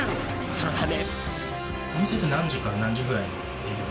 そのため。